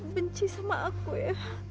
benci sama aku ya